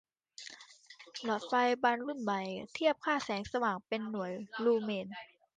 หลอดไฟล์บัลบ์รุ่นใหม่ เทียบค่าแสงสว่าง เป็นหน่วย ลูเมน